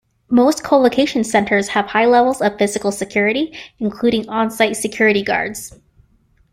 Most colocation centres have high levels of physical security, including on-site security guards.